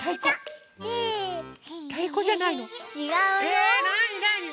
えなになに？